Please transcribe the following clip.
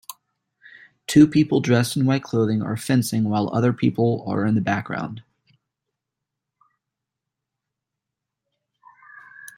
Two people dressed in white clothing are fencing while other people are in the background.